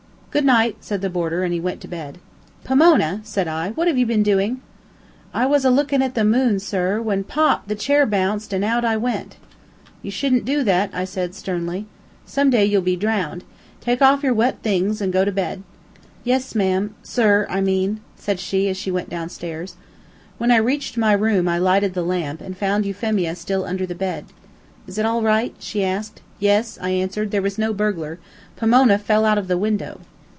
"Good night!" said the boarder, and he went to bed. "Pomona!" said I, "what have you been doing?" "I was a lookin' at the moon, sir, when pop! the chair bounced, and out I went." "You shouldn't do that," I said, sternly. "Some day you'll be drowned. Take off your wet things and go to bed." "Yes, sma'am sir, I mean," said she, as she went down stairs. When I reached my room I lighted the lamp, and found Euphemia still under the bed. "Is it all right?" she asked. "Yes," I answered. "There was no burglar. Pomona fell out of the window."